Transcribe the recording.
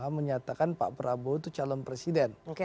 menyatakan pak prabowo itu calon presiden